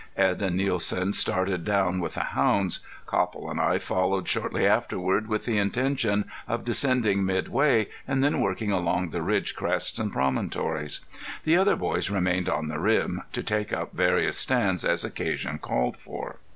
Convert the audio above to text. Edd and Nielsen started down with the hounds. Copple and I followed shortly afterward with the intention of descending mid way, and then working along the ridge crests and promontories. The other boys remained on the rim to take up various stands as occasion called for.